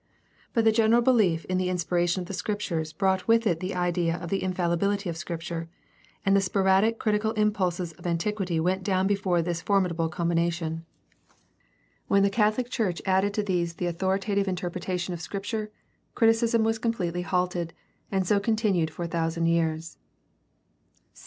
But the general beHef in the 222 GUIDE TO STUDY OF CHRISTIAN RELIGION inspiration of the Scriptures brought with it the idea of the infallibihty of Scripture, and the sporadic critical impulses of antiquity went down before this formidable combination. When the Catholic church added to these the authoritative interpretation of Scripture, criticism was completely halted, and so continued for a thousand years.